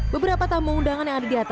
beberapa tamu undangan yang ada di atas